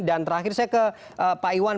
dan terakhir saya ke pak iwan